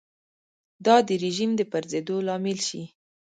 دا د رژیم د پرځېدو لامل شي.